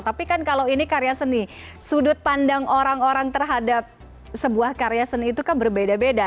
tapi kan kalau ini karya seni sudut pandang orang orang terhadap sebuah karya seni itu kan berbeda beda